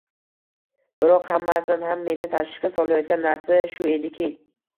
Biroq, hammasidan ham meni tashvishga solayotgan narsa shu ediki...